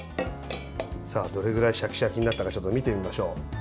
どれぐらいシャキシャキになったかちょっと見てみましょう。